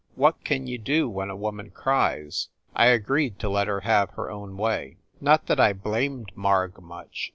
What can you do when a woman cries ? I agreed to let her have her own way. Not that I blamed Marg much.